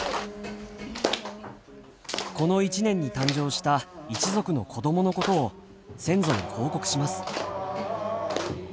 この一年に誕生した一族の子供のことを先祖に報告します。